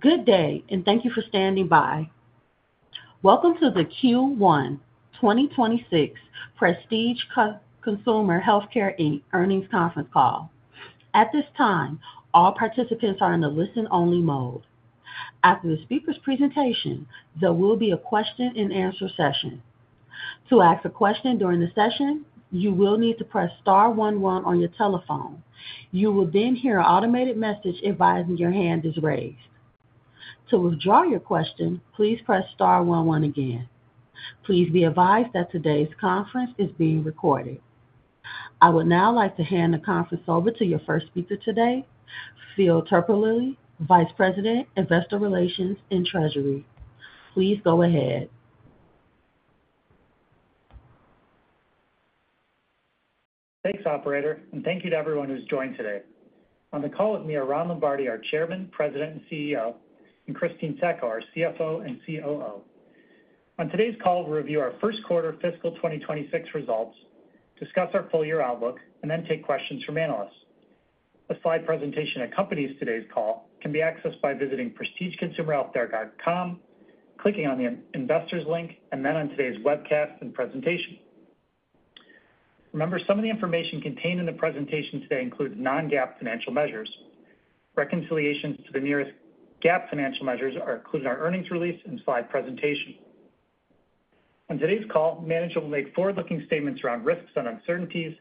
Good day, and thank you for standing by. Welcome to the Q1 2026 Prestige Consumer Healthcare Inc. Earnings Conference Call. At this time, all participants are in a listen-only mode. After the speaker's presentation, there will be a question-and-answer session. To ask a question during the session, you will need to press star one one on your telephone. You will then hear an automated message advising your hand is raised. To withdraw your question, please press star one one again. Please be advised that today's conference is being recorded. I would now like to hand the conference over to your first speaker today, Phil Terpolilli, Vice President, Investor Relations and Treasury. Please go ahead. Thanks, Operator, and thank you to everyone who's joined today. On the call with me are Ron Lombardi, our Chairman, President, and CEO, and Christine Sacco, our CFO and COO. On today's call, we'll review our first quarter fiscal 2026 results, discuss our full-year outlook, and then take questions from analysts. A slide presentation that accompanies today's call can be accessed by visiting prestigeconsumerhealthcare.com, clicking on the Investors link, and then on today's webcast and presentation. Remember, some of the information contained in the presentation today includes non-GAAP financial measures. Reconciliations to the nearest GAAP financial measures are included in our earnings release and slide presentation. On today's call, managers will make forward-looking statements around risks and uncertainties,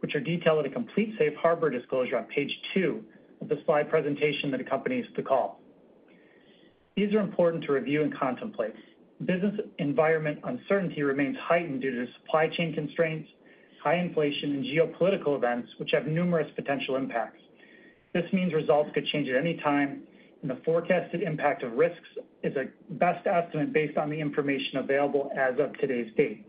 which are detailed in a complete Safe Harbor disclosure on page two of the slide presentation that accompanies the call. These are important to review and contemplate. Business environment uncertainty remains heightened due to supply chain constraints, high inflation, and geopolitical events, which have numerous potential impacts. This means results could change at any time, and the forecasted impact of risks is a best estimate based on the information available as of today's date.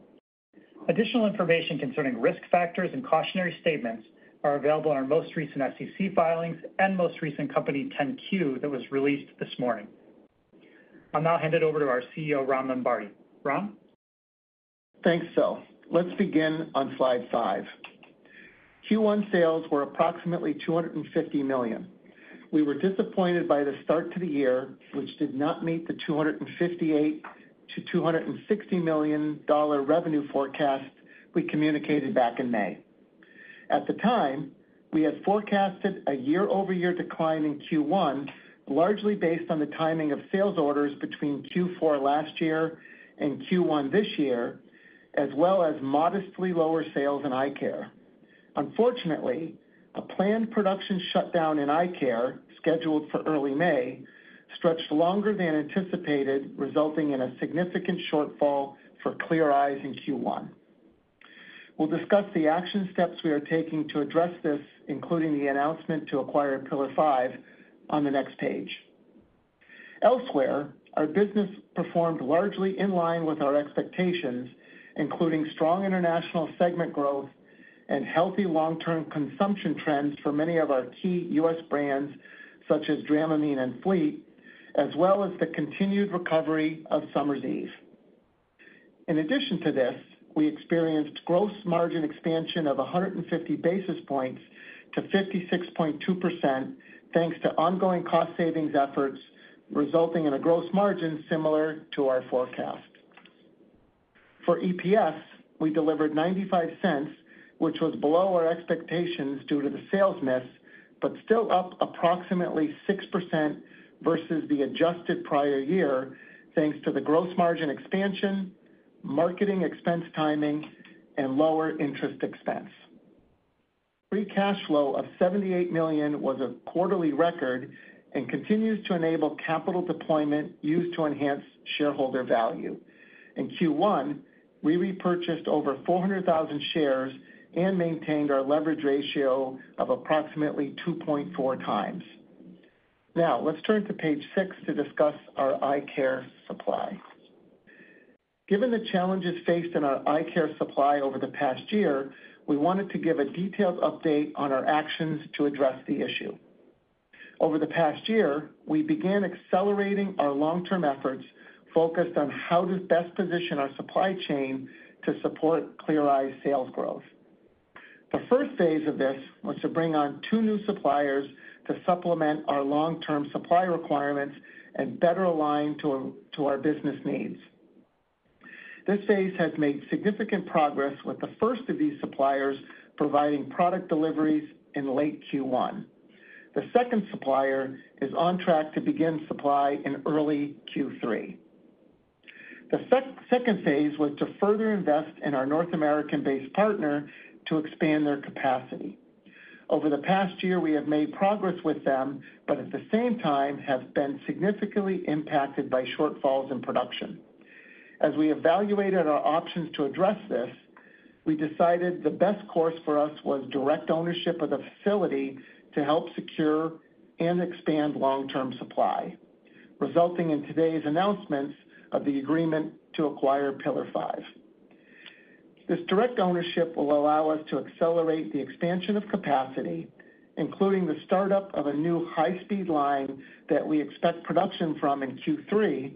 Additional information concerning risk factors and cautionary statements are available in our most recent SEC filings and most recent company 10-Q that was released this morning. I'll now hand it over to our CEO, Ron Lombardi. Ron? Thanks, Phil. Let's begin on slide five. Q1 sales were approximately $250 million. We were disappointed by the start to the year, which did not meet the $258 million-$260 million revenue forecast we communicated back in May. At the time, we had forecasted a year-over-year decline in Q1, largely based on the timing of sales orders between Q4 last year and Q1 this year, as well as modestly lower sales in eye care. Unfortunately, a planned production shutdown in eye care, scheduled for early May, stretched longer than anticipated, resulting in a significant shortfall for Clear Eyes in Q1. We will discuss the action steps we are taking to address this, including the announcement to acquire Pillar5 on the next page. Elsewhere, our business performed largely in line with our expectations, including strong international segment growth and healthy long-term consumption trends for many of our key U.S. brands, such as Dramamine and Fleet, as well as the continued recovery of Summer's Eve. In addition to this, we experienced gross margin expansion of 150 basis points to 56.2%, thanks to ongoing cost-savings efforts, resulting in a gross margin similar to our forecast. For EPS, we delivered $0.95, which was below our expectations due to the sales miss but still up approximately 6% versus the adjusted prior year, thanks to the gross margin expansion, marketing expense timing, and lower interest expense. Free cash flow of $78 million was a quarterly record and continues to enable capital deployment used to enhance shareholder value. In Q1, we repurchased over 400,000 shares and maintained our leverage ratio of approximately 2.4x. Now, let's turn to page six to discuss our eye care supply. Given the challenges faced in our eye care supply over the past year, we wanted to give a detailed update on our actions to address the issue. Over the past year, we began accelerating our long-term efforts focused on how to best position our supply chain to support Clear Eyes' sales growth. The first phase of this was to bring on two new suppliers to supplement our long-term supply requirements and better align to our business needs. This phase has made significant progress with the first of these suppliers providing product deliveries in late Q1. The second supplier is on track to begin supply in early Q3. The second phase was to further invest in our North American-based partner to expand their capacity. Over the past year, we have made progress with them, but at the same time, have been significantly impacted by shortfalls in production. As we evaluated our options to address this, we decided the best course for us was direct ownership of the facility to help secure and expand long-term supply, resulting in today's announcements of the agreement to acquire Pillar5. This direct ownership will allow us to accelerate the expansion of capacity, including the startup of a new high-speed line that we expect production from in Q3,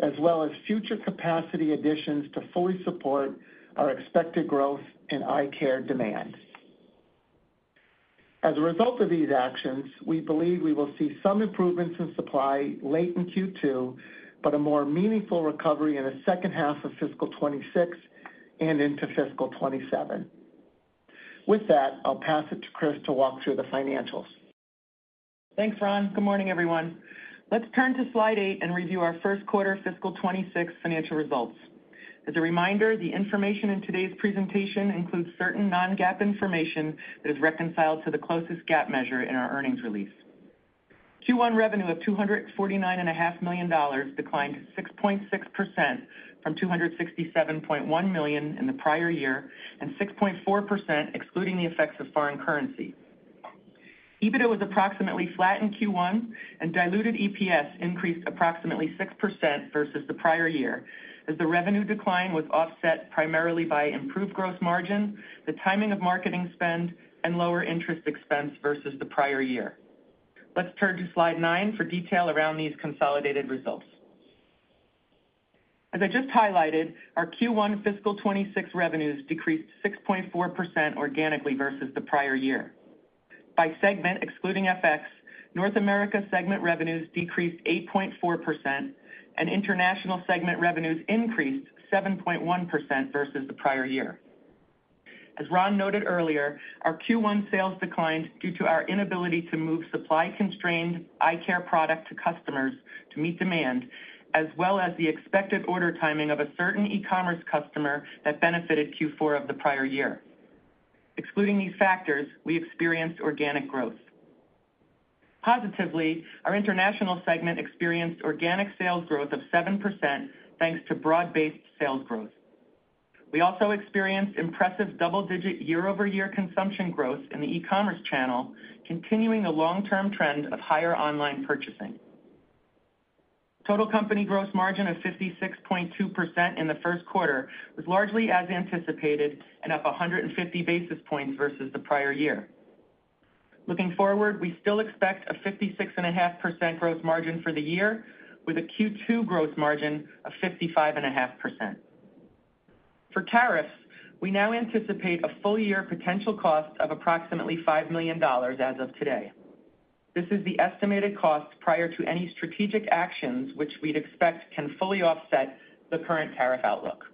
as well as future capacity additions to fully support our expected growth in eye care demands. As a result of these actions, we believe we will see some improvements in supply late in Q2, but a more meaningful recovery in the second half of fiscal 2026 and into fiscal 2027. With that, I'll pass it to Chris to walk through the financials. Thanks, Ron. Good morning, everyone. Let's turn to slide eight and review our first quarter fiscal 2026 financial results. As a reminder, the information in today's presentation includes certain non-GAAP information that is reconciled to the closest GAAP measure in our earnings release. Q1 revenue of $249.5 million declined 6.6% from $267.1 million in the prior year and 6.4%, excluding the effects of foreign currency. EBITDA was approximately flat in Q1, and diluted EPS increased approximately 6% versus the prior year, as the revenue decline was offset primarily by improved gross margin, the timing of marketing spend, and lower interest expense versus the prior year. Let's turn to slide nine for detail around these consolidated results. As I just highlighted, our Q1 fiscal 2026 revenues decreased 6.4% organically versus the prior year. By segment, excluding FX, North America segment revenues decreased 8.4%, and international segment revenues increased 7.1% versus the prior year. As Ron noted earlier, our Q1 sales declined due to our inability to move supply-constrained eye care product to customers to meet demand, as well as the expected order timing of a certain eCommerce customer that benefited Q4 of the prior year. Excluding these factors, we experienced organic growth. Positively, our international segment experienced organic sales growth of 7%, thanks to broad-based sales growth. We also experienced impressive double-digit year-over-year consumption growth in the e-commerce channel, continuing a long-term trend of higher online purchasing. Total company gross margin of 56.2% in the first quarter was largely as anticipated and up 150 basis points versus the prior year. Looking forward, we still expect a 56.5% gross margin for the year, with a Q2 gross margin of 55.5%. For tariffs, we now anticipate a full-year potential cost of approximately $5 million as of today. This is the estimated cost prior to any strategic actions which we'd expect can fully offset the current tariff outlook.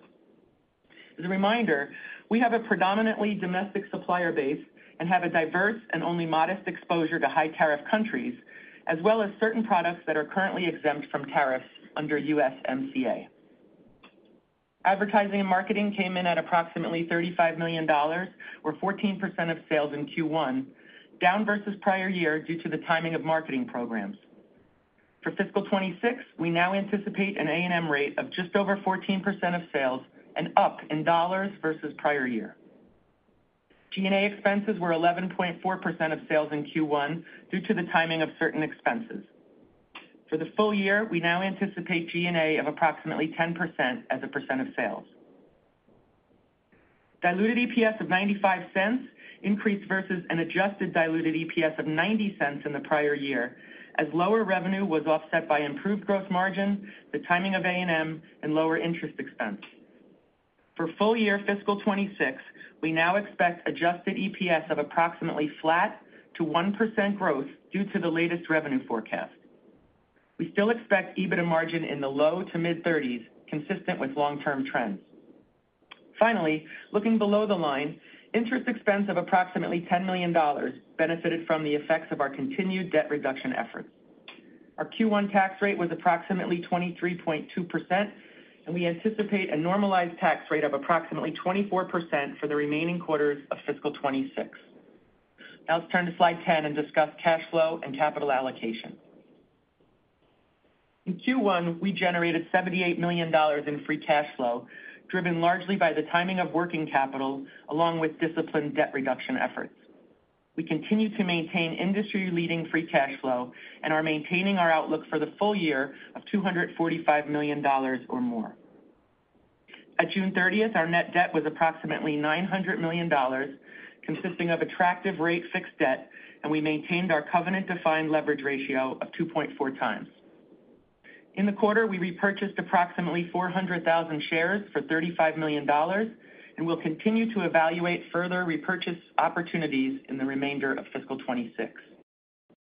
As a reminder, we have a predominantly domestic supplier base and have a diverse and only modest exposure to high-tariff countries, as well as certain products that are currently exempt from tariff under USMCA. Advertising and marketing came in at approximately $35 million, or 14% of sales in Q1, down versus prior year due to the timing of marketing programs. For fiscal 2026, we now anticipate an A&M rate of just over 14% of sales and up in dollars versus prior year. G&A expenses were 11.4% of sales in Q1 due to the timing of certain expenses. For the full year, we now anticipate G&A of approximately 10% as a percent of sales. Diluted EPS of $0.95 increased versus an adjusted diluted EPS of $0.90 in the prior year, as lower revenue was offset by improved gross margin, the timing of A&M, and lower interest expense. For full-year fiscal 2026, we now expect adjusted EPS of approximately flat to 1% growth due to the latest revenue forecast. We still expect EBITDA margin in the low to mid-30s, consistent with long-term trends. Finally, looking below the line, interest expense of approximately $10 million benefited from the effects of our continued debt reduction efforts. Our Q1 tax rate was approximately 23.2%, and we anticipate a normalized tax rate of approximately 24% for the remaining quarters of fiscal 2026. Now let's turn to slide 10 and discuss cash flow and capital allocation. In Q1, we generated $78 million in free cash flow, driven largely by the timing of working capital, along with disciplined debt reduction efforts. We continue to maintain industry-leading free cash flow and are maintaining our outlook for the full year of $245 million or more. At June 30th, our net debt was approximately $900 million, consisting of attractive rate fixed debt, and we maintained our covenant-defined leverage ratio of 2.4x. In the quarter, we repurchased approximately 400,000 shares for $35 million, and we'll continue to evaluate further repurchase opportunities in the remainder of fiscal 2026.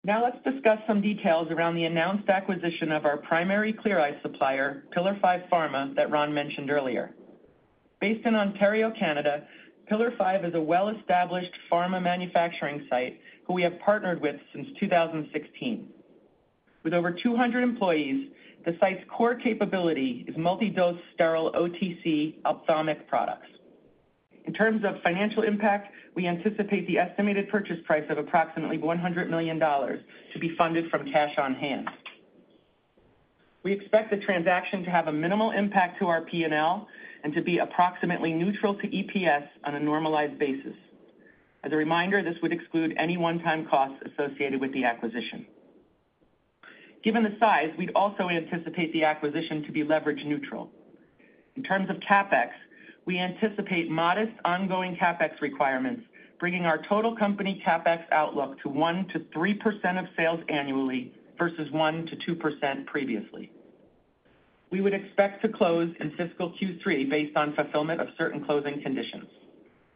Now let's discuss some details around the announced acquisition of our primary Clear Eyes supplier, Pillar5 Pharma, that Ron mentioned earlier. Based in Ontario, Canada, Pillar5 is a well-established pharma manufacturing site who we have partnered with since 2016. With over 200 employees, the site's core capability is multi-dose sterile OTC ophthalmic products. In terms of financial impact, we anticipate the estimated purchase price of approximately $100 million to be funded from cash on hand. We expect the transaction to have a minimal impact to our P&L and to be approximately neutral to EPS on a normalized basis. As a reminder, this would exclude any one-time costs associated with the acquisition. Given the size, we'd also anticipate the acquisition to be leverage neutral. In terms of CapEx, we anticipate modest ongoing CapEx requirements, bringing our total company CapEx outlook to 1%-3% of sales annually versus 1%-2% previously. We would expect to close in fiscal Q3 based on fulfillment of certain closing conditions.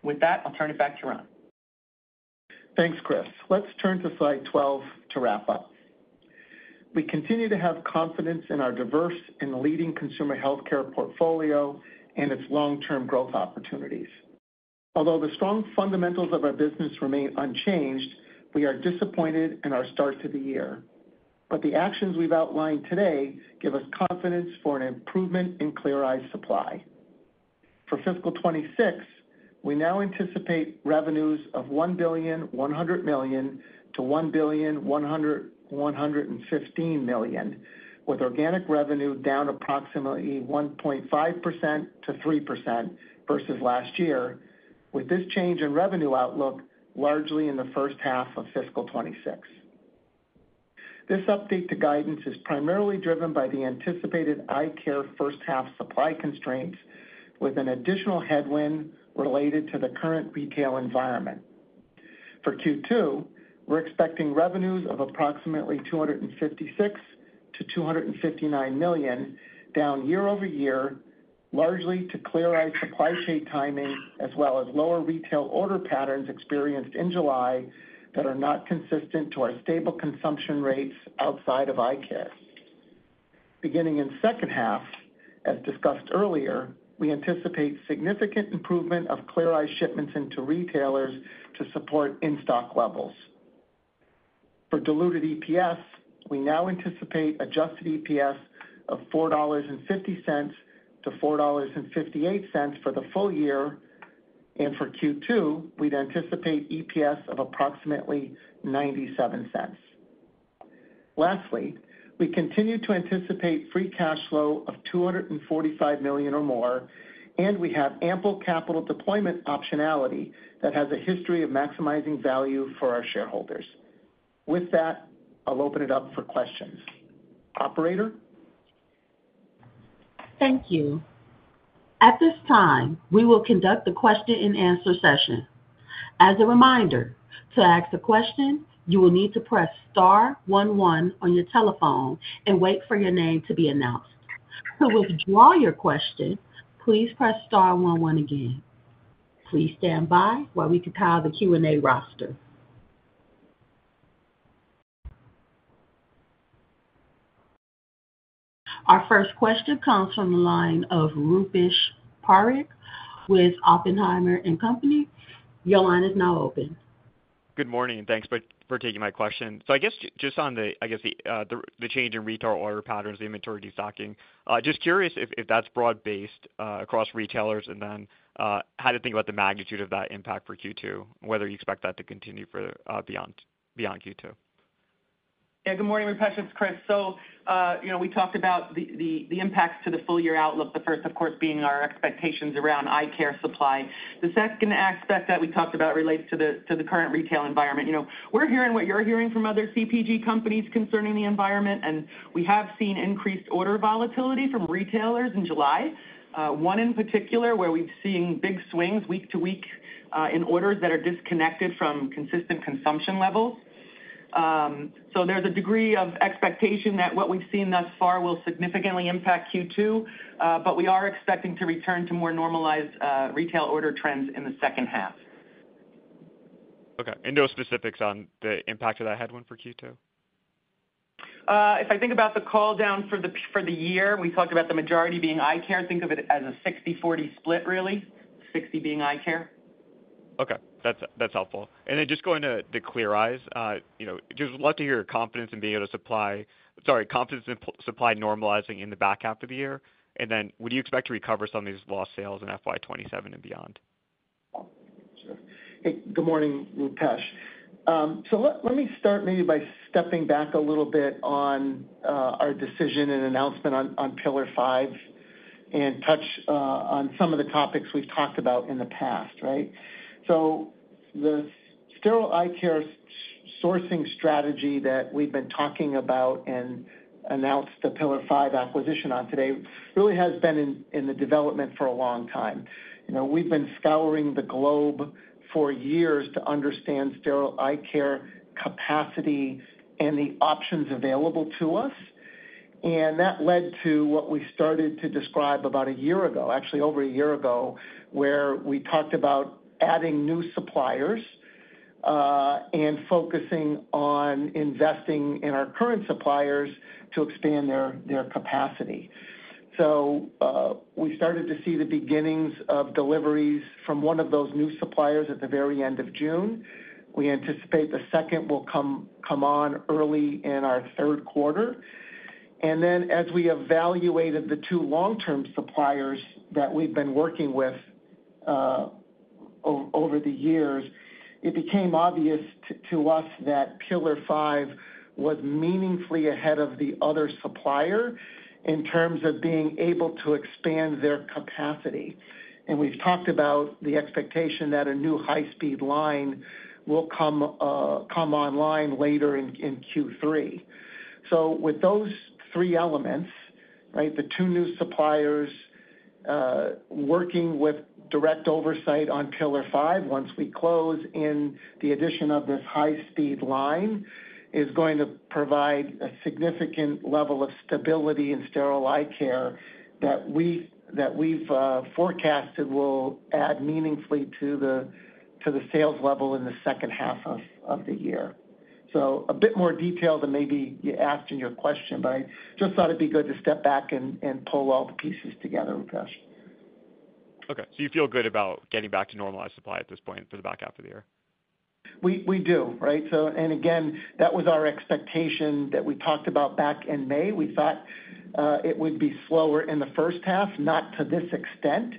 With that, I'll turn it back to Ron. Thanks, Chris. Let's turn to slide 12 to wrap up. We continue to have confidence in our diverse and leading consumer healthcare portfolio and its long-term growth opportunities. Although the strong fundamentals of our business remain unchanged, we are disappointed in our start to the year. The actions we've outlined today give us confidence for an improvement in Clear Eyes' supply. For fiscal 2026, we now anticipate revenues of $1.1 billion-$1.115 billion, with organic revenue down approximately 1.5%-3% versus last year, with this change in revenue outlook largely in the first half of fiscal 2026. This update to guidance is primarily driven by the anticipated eye care first-half supply constraints, with an additional headwind related to the current retail environment. For Q2, we're expecting revenues of approximately $256 million-$259 million, down year-over-year, largely due to Clear Eyes' supply chain timing, as well as lower retail order patterns experienced in July that are not consistent with our stable consumption rates outside of eye care. Beginning in the second half, as discussed earlier, we anticipate significant improvement of Clear Eyes' shipments into retailers to support in-stock levels. For diluted EPS, we now anticipate adjusted EPS of $4.50-$4.58 for the full year, and for Q2, we'd anticipate EPS of approximately $0.97. Lastly, we continue to anticipate free cash flow of $245 million or more, and we have ample capital deployment optionality that has a history of maximizing value for our shareholders. With that, I'll open it up for questions. Operator? Thank you. At this time, we will conduct the question-and-answer session. As a reminder, to ask a question, you will need to press star one one on your telephone and wait for your name to be announced. To withdraw your question, please press star one one again. Please stand by while we compile the Q&A roster. Our first question comes from the line of Rupesh Parikh with Oppenheimer and Company. Your line is now open. Good morning and thanks for taking my question. On the change in retail order patterns and the inventory de-stocking, just curious if that's broad-based across retailers and then how to think about the magnitude of that impact for Q2, whether you expect that to continue beyond Q2. Yeah, good morning Rupesh, it's Chris. You know, we talked about the impacts to the full-year outlook, the first, of course, being our expectations around eye care supply. The second aspect that we talked about relates to the current retail environment. You know, we're hearing what you're hearing from other CPG companies concerning the environment, and we have seen increased order volatility from retailers in July, one in particular where we've seen big swings week to week in orders that are disconnected from consistent consumption levels. There's a degree of expectation that what we've seen thus far will significantly impact Q2, but we are expecting to return to more normalized retail order trends in the second half. OK. No specifics on the impact of that headwind for Q2? If I think about the call down for the year, we talk about the majority being eye care, and think of it as a 60/40 split, really, 60% being eye care. OK. That's helpful. Going to Clear Eyes, I'd love to hear your confidence in supply normalizing in the back half of the year. Would you expect to recover some of these lost sales in FY 2027 and beyond? Sure. Good morning, Rupesh. Let me start maybe by stepping back a little bit on our decision and announcement on Pillar5 and touch on some of the topics we've talked about in the past, right? The sterile eye care sourcing strategy that we've been talking about and announced the Pillar5 acquisition on today really has been in development for a long time. We've been scouring the globe for years to understand sterile eye care capacity and the options available to us. That led to what we started to describe about a year ago, actually over a year ago, where we talked about adding new suppliers and focusing on investing in our current suppliers to expand their capacity. We started to see the beginnings of deliveries from one of those new suppliers at the very end of June. We anticipate the second will come on early in our third quarter. As we evaluated the two long-term suppliers that we've been working with over the years, it became obvious to us that Pillar5 was meaningfully ahead of the other supplier in terms of being able to expand their capacity. We've talked about the expectation that a new high-speed line will come online later in Q3. With those three elements, the two new suppliers working with direct oversight on Pillar5 once we close and the addition of this high-speed line is going to provide a significant level of stability in sterile eye care that we've forecasted will add meaningfully to the sales level in the second half of the year. A bit more detail than maybe you asked in your question, but I just thought it'd be good to step back and pull all the pieces together, Rupesh. OK. You feel good about getting back to normalized supply at this point for the back half of the year? We do, right? That was our expectation that we talked about back in May. We thought it would be slower in the first half, not to this extent,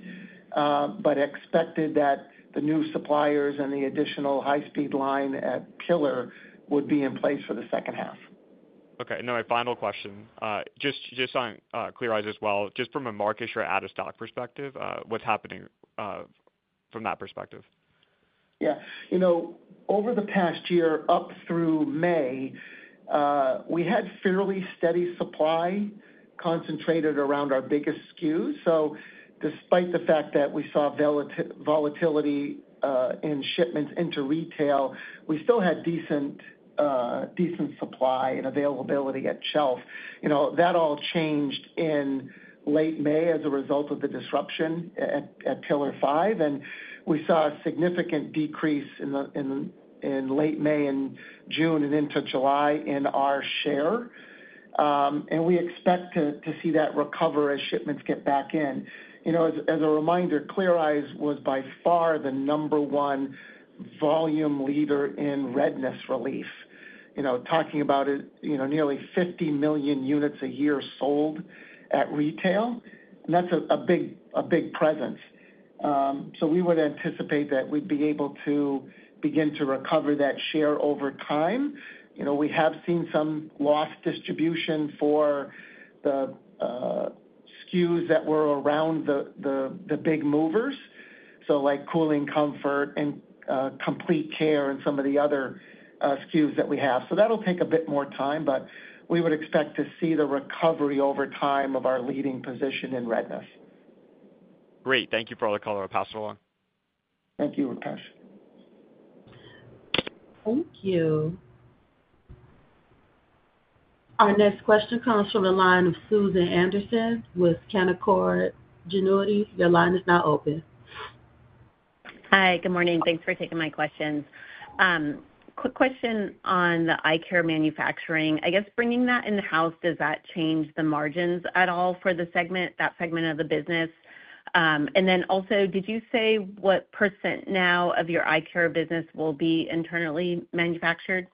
but expected that the new suppliers and the additional high-speed line at Pillar would be in place for the second half. OK. My final question, just on Clear Eyes as well, just from a market share out-of-stock perspective, what's happening from that perspective? Yeah, over the past year, up through May, we had fairly steady supply concentrated around our biggest SKUs. Despite the fact that we saw volatility in shipments into retail, we still had decent supply and availability at shelf. That all changed in late May as a result of the disruption at Pillar5. We saw a significant decrease in late May and June and into July in our share. We expect to see that recover as shipments get back in. As a reminder, Clear Eyes was by far the number one volume leader in Redness Relief, nearly 50 million units a year sold at retail, and that's a big presence. We would anticipate that we'd be able to begin to recover that share over time. We have seen some lost distribution for the SKUs that were around the big movers, like Cooling Comfort and Complete Care and some of the other SKUs that we have. That'll take a bit more time, but we would expect to see the recovery over time of our leading position in redness. Great, thank you for all the call. I'll pass it along. Thank you, Rupesh. Thank you. Our next question comes from the line of Susan Anderson with Canaccord Genuity. Your line is now open. Hi. Good morning. Thanks for taking my questions. Quick question on the eye care manufacturing. I guess bringing that in-house, does that change the margins at all for the segment, that segment of the business? Also, did you say what percent now of your eye care business will be internally manufactured?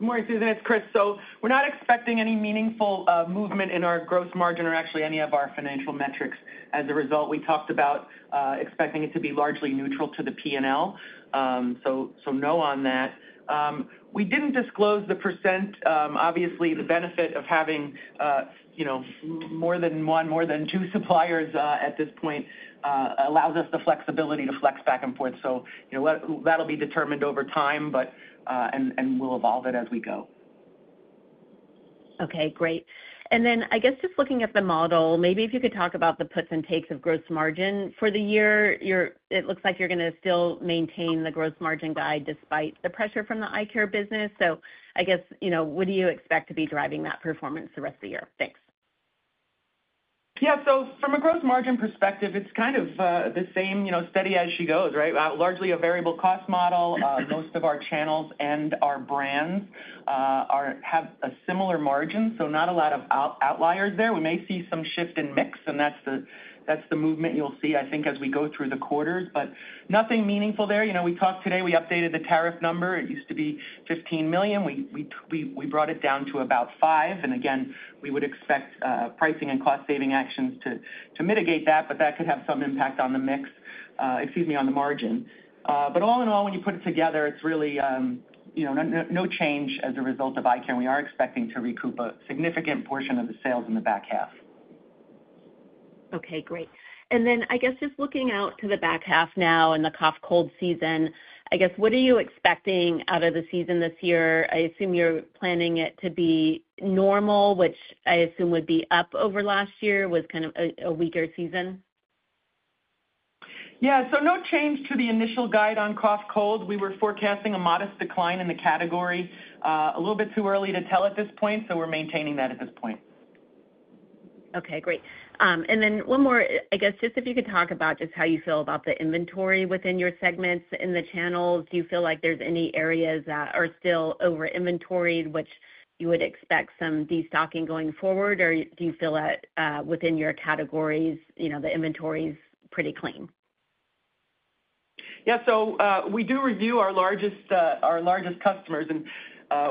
Good morning, Susan. It's Chris. We're not expecting any meaningful movement in our gross margin or actually any of our financial metrics as a result. We talked about expecting it to be largely neutral to the P&L. No on that. We didn't disclose the percent. Obviously, the benefit of having more than one, more than two suppliers at this point allows us the flexibility to flex back and forth. That'll be determined over time, and we'll evolve it as we go. OK, great. I guess just looking at the model, maybe if you could talk about the puts and takes of gross margin for the year. It looks like you're going to still maintain the gross margin despite the pressure from the eye care business. I guess, you know, what do you expect to be driving that performance the rest of the year? Thanks. Yeah, so from a gross margin perspective, it's kind of the same, you know, steady as she goes, right? Largely a variable cost model. Most of our channels and our brands have a similar margin, so not a lot of outliers there. We may see some shift in mix, and that's the movement you'll see, I think, as we go through the quarters. Nothing meaningful there. We talked today, we updated the tariff number. It used to be $15 million. We brought it down to about $5 million. Again, we would expect pricing and cost-saving actions to mitigate that, but that could have some impact on the mix, excuse me, on the margin. All in all, when you put it together, it's really, you know, no change as a result of eye care. We are expecting to recoup a significant portion of the sales in the back half. OK, great. I guess just looking out to the back half now in the cough-cold season, what are you expecting out of the season this year? I assume you're planning it to be normal, which I assume would be up over last year with kind of a weaker season. Yeah, no change to the initial guide on cough-cold. We were forecasting a modest decline in the category. It's a little bit too early to tell at this point, so we're maintaining that at this point. OK, great. One more, if you could talk about just how you feel about the inventory within your segments in the channels. Do you feel like there's any areas that are still over-inventoried, which you would expect some de-stocking going forward? Do you feel that within your categories, the inventory is pretty clean? Yeah, we do review our largest customers, and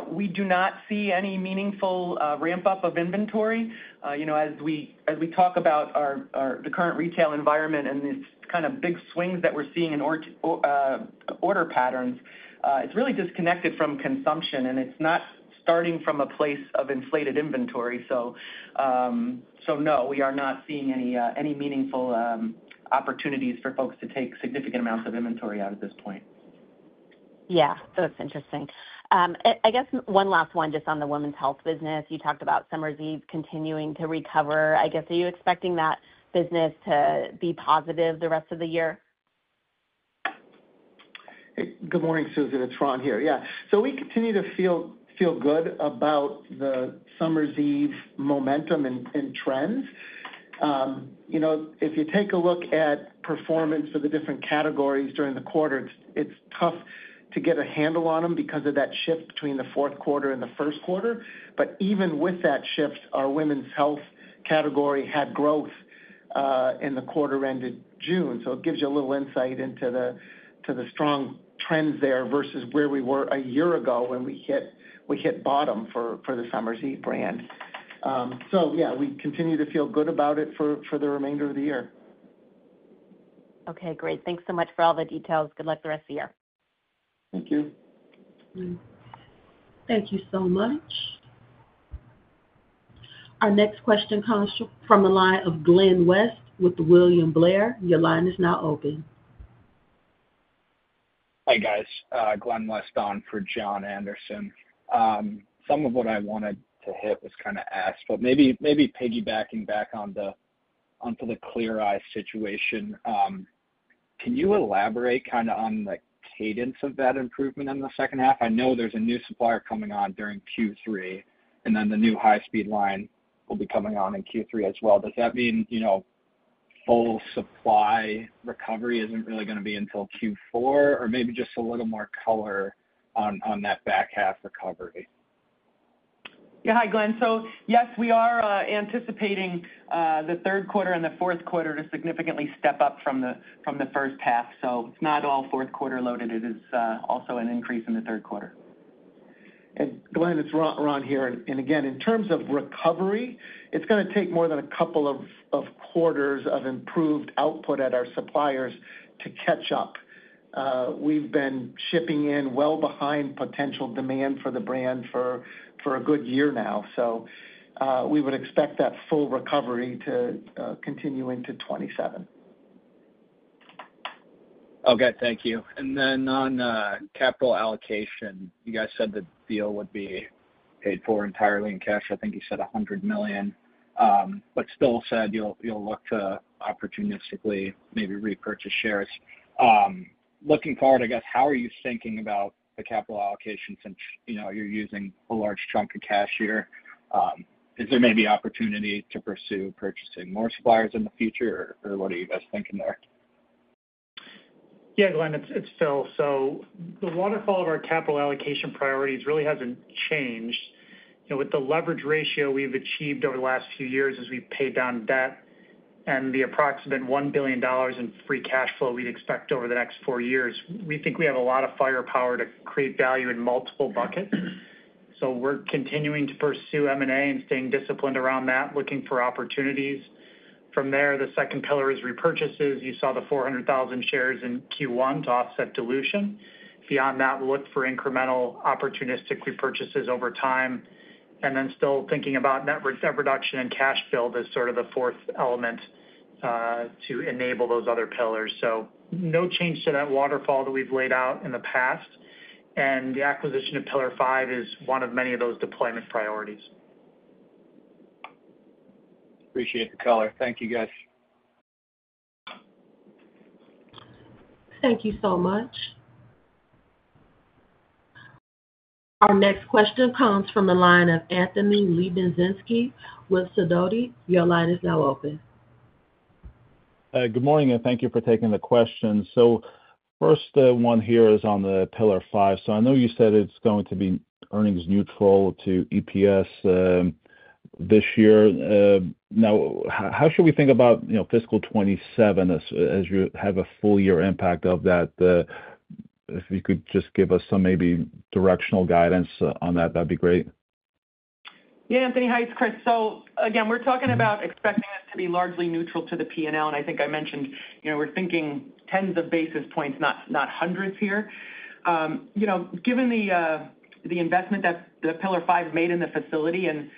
we do not see any meaningful ramp-up of inventory. As we talk about the current retail environment and these kind of big swings that we're seeing in order patterns, it's really disconnected from consumption, and it's not starting from a place of inflated inventory. No, we are not seeing any meaningful opportunities for folks to take significant amounts of inventory out at this point. Yeah, that's interesting. I guess one last one just on the women's health business. You talked about Summer's Eve continuing to recover. I guess are you expecting that business to be positive the rest of the year? Good morning, Susan. It's Ron here. We continue to feel good about the Summer's Eve momentum and trends. If you take a look at performance of the different categories during the quarter, it's tough to get a handle on them because of that shift between the fourth quarter and the first quarter. Even with that shift, our women's health category had growth in the quarter ended June. It gives you a little insight into the strong trends there versus where we were a year ago when we hit bottom for the Summer's Eve brand. We continue to feel good about it for the remainder of the year. OK, great. Thanks so much for all the details. Good luck the rest of the year. Thank you. Thank you so much. Our next question comes from a line of Glenn West with William Blair. Your line is now open. Hi, guys. Glen West on for John Anderson. Some of what I wanted to hit was kind of asked, but maybe piggybacking back on the Clear Eyes situation, can you elaborate kind of on the cadence of that improvement in the second half? I know there's a new supplier coming on during Q3, and then the new high-speed line will be coming on in Q3 as well. Does that mean, you know, full supply recovery isn't really going to be until Q4? Or maybe just a little more color on that back half recovery. Yeah, hi, Glenn. Yes, we are anticipating the third quarter and the fourth quarter to significantly step up from the first half. It's not all fourth quarter loaded. It is also an increase in the third quarter. Glenn, it's Ron here. In terms of recovery, it's going to take more than a couple of quarters of improved output at our suppliers to catch up. We've been shipping in well behind potential demand for the brand for a good year now. We would expect that full recovery to continue into 2027. OK, thank you. On capital allocation, you said the deal would be paid for entirely in cash. I think you said $100 million, but still said you'll look to opportunistically maybe repurchase shares. Looking forward, how are you thinking about the capital allocation since, you know, you're using a large chunk of cash here? Is there maybe opportunity to pursue purchasing more suppliers in the future? What are you guys thinking there? Yeah, Glenn, it's Phil. The waterfall of our capital allocation priorities really hasn't changed. You know, with the leverage ratio we've achieved over the last few years as we've paid down debt and the approximate $1 billion in free cash flow we'd expect over the next four years, we think we have a lot of firepower to create value in multiple buckets. We're continuing to pursue M&A and staying disciplined around that, looking for opportunities. From there, the second pillar is repurchases. You saw the 400,000 shares in Q1 to offset dilution. Beyond that, look for incremental opportunistic repurchases over time. Still thinking about net reduction and cash build as sort of the fourth element to enable those other pillars. No change to that waterfall that we've laid out in the past. The acquisition of Pillar5 is one of many of those deployment priorities. Appreciate the color. Thank you, guys. Thank you so much. Our next question comes from a line of Anthony Lebiedzinski with Sidoti. Your line is now open. Good morning. Thank you for taking the question. First one here is on Pillar5. I know you said it's going to be earnings neutral to EPS this year. How should we think about, you know, fiscal 2027 as you have a full-year impact of that? If you could just give us some maybe directional guidance on that, that'd be great. Yeah, Anthony. Hi, it's Chris. We're talking about expecting it to be largely neutral to the P&L. I think I mentioned, we're thinking tens of basis points, not hundreds here. Given the investment that Pillar5 made in the facility and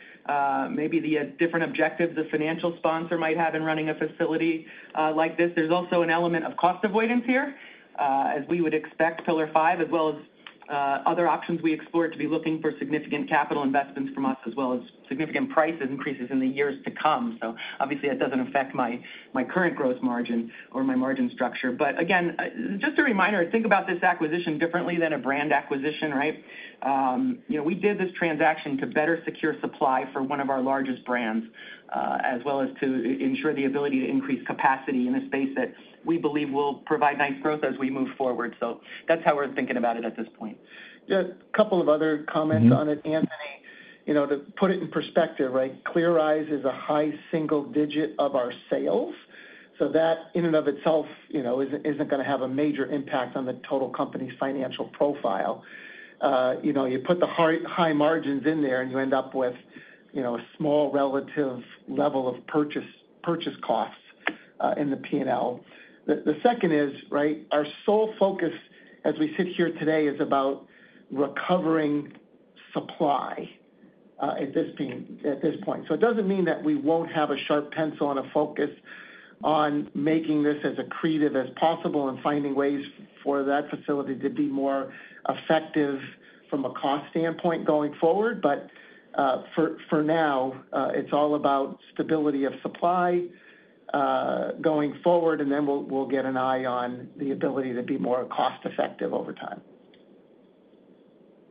maybe the different objectives the financial sponsor might have in running a facility like this, there's also an element of cost avoidance here, as we would expect Pillar5, as well as other options we explored, to be looking for significant capital investments from us, as well as significant price increases in the years to come. That doesn't affect my current gross margin or my margin structure. Just a reminder, think about this acquisition differently than a brand acquisition, right? We did this transaction to better secure supply for one of our largest brands, as well as to ensure the ability to increase capacity in a space that we believe will provide nice growth as we move forward. That's how we're thinking about it at this point. Yeah, a couple of other comments on it. Anthony, you know, to put it in perspective, right, Clear Eyes is a high single digit of our sales. So that in and of itself isn't going to have a major impact on the total company's financial profile. You put the high margins in there, and you end up with a small relative level of purchase costs in the P&L. The second is, right, our sole focus as we sit here today is about recovering supply at this point. It doesn't mean that we won't have a sharp pencil and a focus on making this as accretive as possible and finding ways for that facility to be more effective from a cost standpoint going forward. For now, it's all about stability of supply going forward. Then we'll get an eye on the ability to be more cost-effective over time.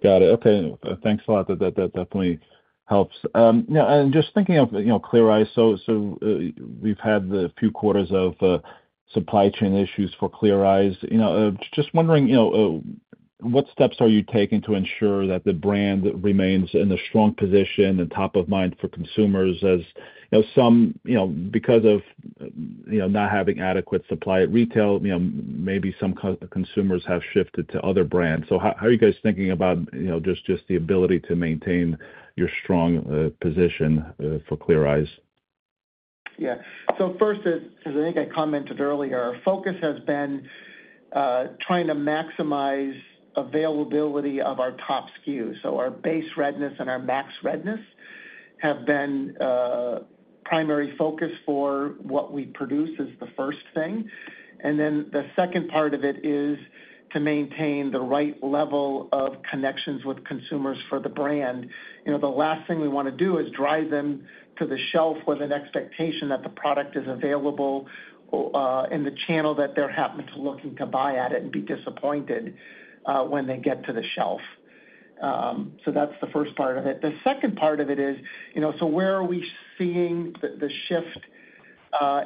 Got it. OK, thanks a lot. That definitely helps. Now, just thinking of Clear Eyes, we've had the few quarters of supply chain issues for Clear Eyes. I'm just wondering what steps are you taking to ensure that the brand remains in a strong position and top of mind for consumers, as some, because of not having adequate supply at retail, maybe some consumers have shifted to other brands. How are you guys thinking about just the ability to maintain your strong position for Clear Eyes? Yeah, so first is, as I think I commented earlier, our focus has been trying to maximize availability of our top SKUs. Our Base Redness and our Max Redness have been a primary focus for what we produce. The second part of it is to maintain the right level of connections with consumers for the brand. The last thing we want to do is drive them to the shelf with an expectation that the product is available in the channel that they're happening to look to buy at and be disappointed when they get to the shelf. That's the first part of it. The second part of it is, where are we seeing the shift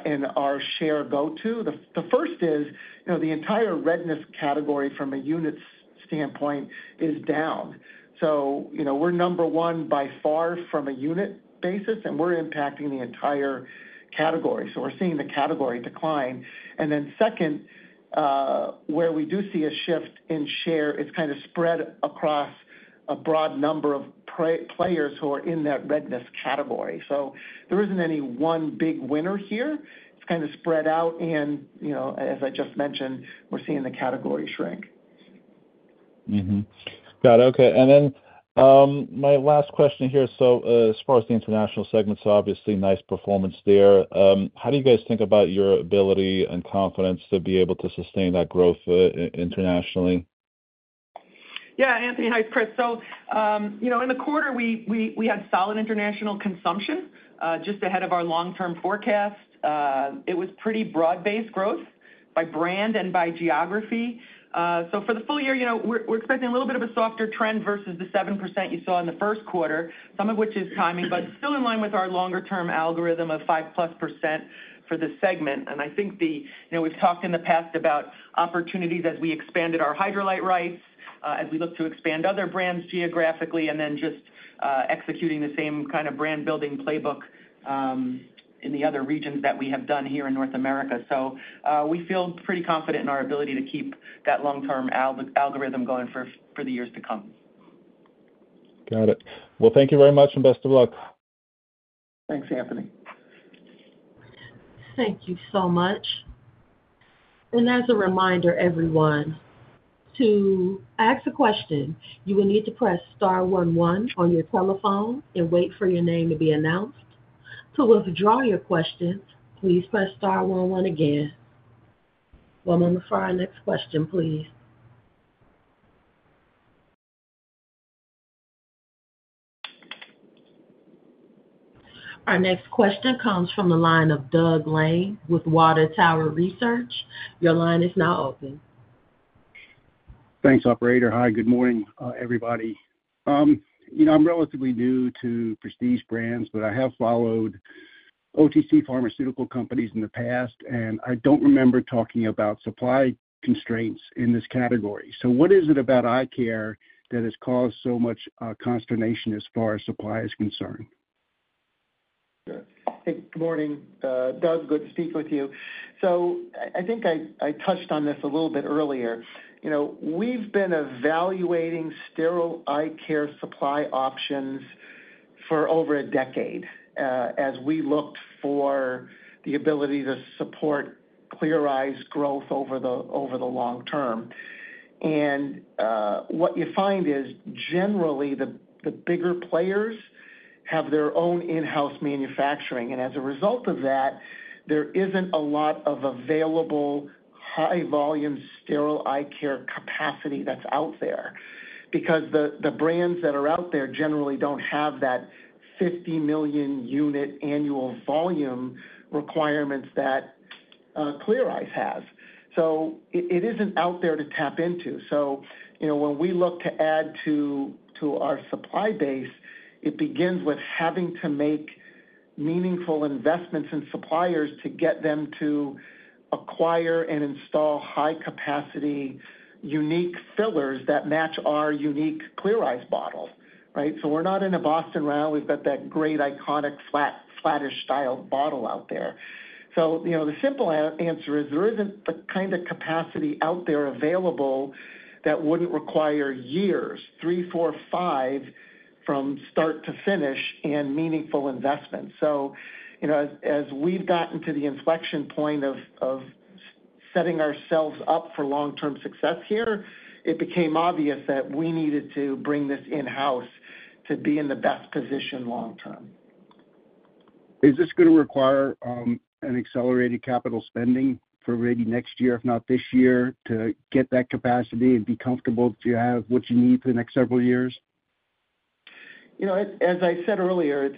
in our share go to? The first is, the entire redness category from a unit's standpoint is down. We're number one by far from a unit basis, and we're impacting the entire category. We're seeing the category decline. Where we do see a shift in share, it's kind of spread across a broad number of players who are in that redness category. There isn't any one big winner here. It's kind of spread out. As I just mentioned, we're seeing the category shrink. Got it. OK. My last question here, as far as the international segment, obviously nice performance there. How do you guys think about your ability and confidence to be able to sustain that growth internationally? Yeah, Anthony. Hi, it's Chris. In the quarter, we had solid international consumption just ahead of our long-term forecast. It was pretty broad-based growth by brand and by geography. For the full year, we're expecting a little bit of a softer trend versus the 7% you saw in the first quarter, some of which is timing, but still in line with our longer-term algorithm of 5%+ for this segment. We've talked in the past about opportunities as we expanded our Hydralyte rights, as we look to expand other brands geographically, and then just executing the same kind of brand-building playbook in the other regions that we have done here in North America. We feel pretty confident in our ability to keep that long-term algorithm going for the years to come. Thank you very much, and best of luck. Thanks, Anthony. Thank you so much. As a reminder, everyone, to ask a question, you will need to press star one one on your telephone and wait for your name to be announced. To withdraw your question, please press star one one again. One moment for our next question, please. Our next question comes from the line of Doug Lane with Water Tower Research. Your line is now open. Thanks, Operator. Hi, good morning, everybody. I'm relatively new to Prestige brands, but I have followed OTC pharmaceutical companies in the past, and I don't remember talking about supply constraints in this category. What is it about eye care that has caused so much consternation as far as supply is concerned? Good morning, Doug. Good to speak with you. I think I touched on this a little bit earlier. We've been evaluating sterile eye care supply options for over a decade as we looked for the ability to support Clear Eyes' growth over the long term. What you find is generally the bigger players have their own in-house manufacturing. As a result of that, there isn't a lot of available high-volume sterile eye care capacity that's out there because the brands that are out there generally don't have that $50 million unit annual volume requirement that Clear Eyes has. It isn't out there to tap into. When we look to add to our supply base, it begins with having to make meaningful investments in suppliers to get them to acquire and install high-capacity, unique fillers that match our unique Clear Eyes bottle, right? We're not in a Boston round. We've got that great, iconic, flattish-style bottle out there. The simple answer is there isn't the kind of capacity out there available that wouldn't require years, three, four, five, from start to finish and meaningful investments. As we've gotten to the inflection point of setting ourselves up for long-term success here, it became obvious that we needed to bring this in-house to be in the best position long term. Is this going to require an accelerated capital spending for maybe next year, if not this year, to get that capacity and be comfortable to have what you need for the next several years? As I said earlier,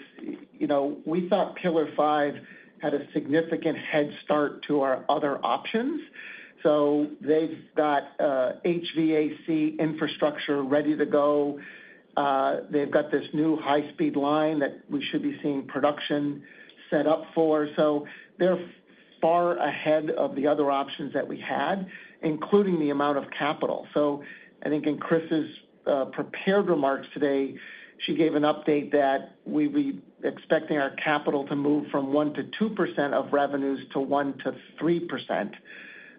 we thought Pillar5 had a significant head start to our other options. They've got HVAC infrastructure ready to go. They've got this new high-speed line that we should be seeing production set up for. They're far ahead of the other options that we had, including the amount of capital. I think in Chris's prepared remarks today, she gave an update that we'd be expecting our capital to move from 1% to 2% of revenues to 1% to 3%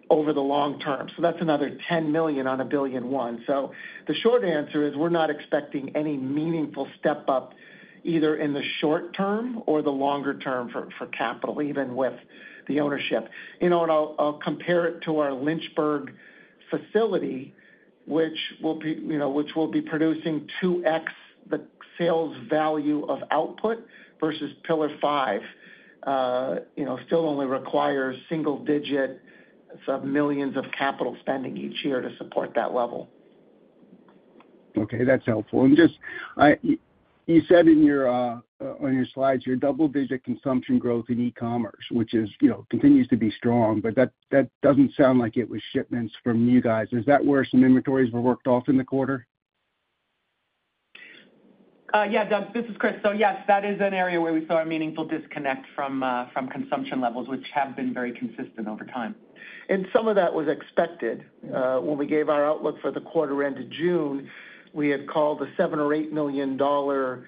over the long term. That's another $10 million on a billion one. The short answer is we're not expecting any meaningful step up either in the short term or the longer term for capital, even with the ownership. I'll compare it to our Lynchburg facility, which will be producing 2x the sales value of output versus Pillar5, still only requires single-digit millions of capital spending each year to support that level. OK, that's helpful. You said in your slides your double-digit consumption growth in eCommerce, which continues to be strong, but that doesn't sound like it was shipments from you guys. Is that where some inventories were worked off in the quarter? Yeah, Doug, this is Christine. Yes, that is an area where we saw a meaningful disconnect from consumption levels, which have been very consistent over time. Some of that was expected. When we gave our outlook for the quarter end of June, we had called the $7 million or $8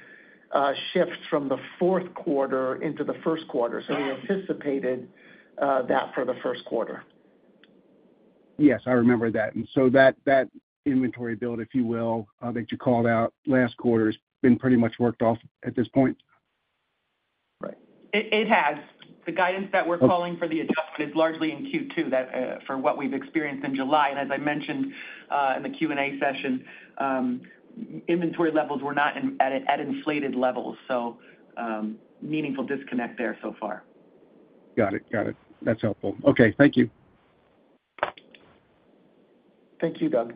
million shifts from the fourth quarter into the first quarter. We anticipated that for the first quarter. Yes, I remember that. That inventory build, if you will, that you called out last quarter has been pretty much worked off at this point? Right. It has. The guidance that we're calling for the adjustment is largely in Q2 for what we've experienced in July. As I mentioned in the Q&A session, inventory levels were not at inflated levels, so meaningful disconnect there so far. Got it. Got it. That's helpful. OK, thank you. Thank you, Doug.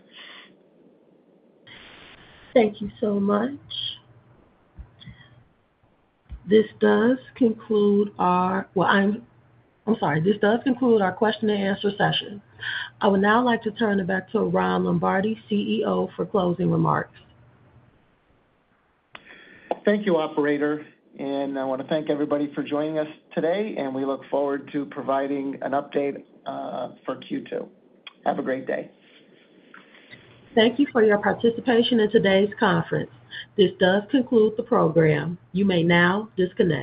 Thank you so much. This does conclude our question-and-answer session. I would now like to turn it back to Ron Lombardi, CEO, for closing remarks. Thank you, Operator. I want to thank everybody for joining us today. We look forward to providing an update for Q2. Have a great day. Thank you for your participation in today's conference. This does conclude the program. You may now disconnect.